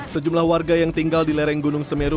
sejumlah warga yang tinggal di lereng gunung semeru